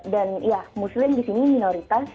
dan ya muslim di sini minoritas